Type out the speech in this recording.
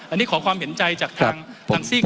อันนี้ขอความเห็นใจจากทางซิ่ง